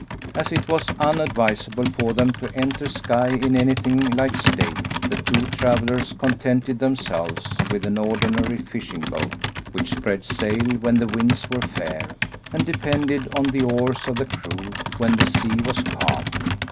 As it was unadvisable for them to enter Skye in anything like state, the two travellers contented themselves with an ordinary fishing boat, which spread sail when the winds were fair, and depended on the oars of the crew when the sea was calm.